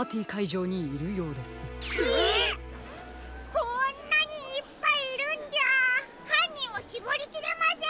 こんなにいっぱいいるんじゃはんにんをしぼりきれません！